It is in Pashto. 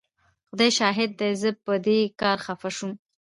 خدای شاهد دی زه په دې کار خفه شوم.